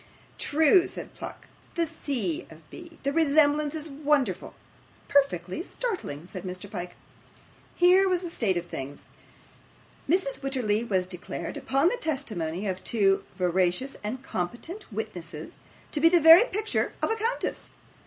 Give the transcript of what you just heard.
'True,' said Pluck, 'the C. of B. The resemblance is wonderful!' 'Perfectly startling,' said Mr. Pyke. Here was a state of things! Mrs. Wititterly was declared, upon the testimony of two veracious and competent witnesses, to be the very picture of a countess!